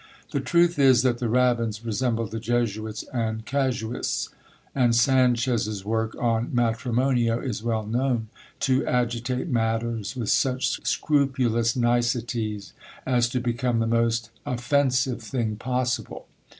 The truth is, that the rabbins resembled the Jesuits and Casuists; and Sanchez's work on "Matrimonio" is well known to agitate matters with such scrupulous niceties as to become the most offensive thing possible.